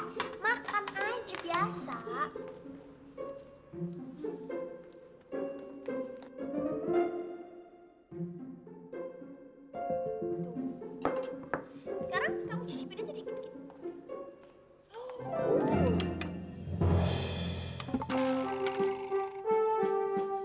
sekarang kamu cicipin aja dikit dikit